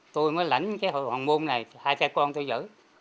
tôi mới lãnh cái hồn muôn này hai trái con tôi giữ